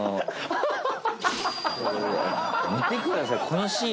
見てください